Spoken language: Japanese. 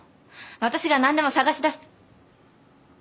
私が何でも探し出し。